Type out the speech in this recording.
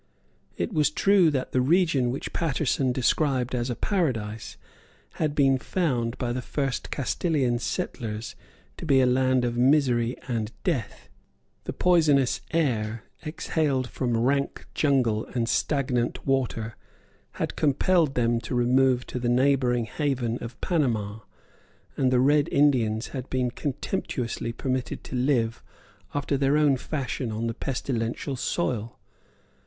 It was true that the region which Paterson described as a paradise had been found by the first Castilian settlers to be a land of misery and death. The poisonous air, exhaled from rank jungle and stagnant water, had compelled them to remove to the neighbouring haven of Panama; and the Red Indians had been contemptuously permitted to live after their own fashion on the pestilential soil.